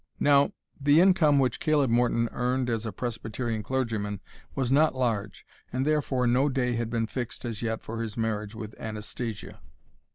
Now, the income which Caleb Morton earned as a Presbyterian clergyman was not large, and, therefore, no day had been fixed as yet for his marriage with Anastasia.